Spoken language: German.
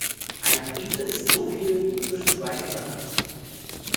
Eine Prise ist so viel, wie zwischen zwei Finger passt.